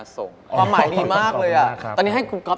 ซึ้งออกได้ไหมครับ